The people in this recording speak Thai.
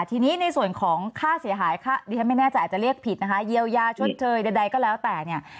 ทีนี้ในส่วนของค่าเสียหายค่าดิฉันไม่แน่ใจอาจจะเรียกผิดนะคะเยียวยาชดเชยใดก็แล้วแต่เนี่ย